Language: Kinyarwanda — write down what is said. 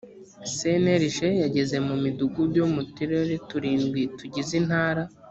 cnlg yageze mu midugudu yo mu turere turindwi tugize intara